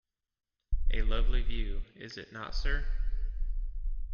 A lovely view, is it not, sir?